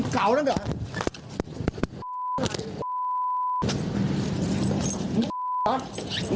เก่าแล้วเดี๋ยว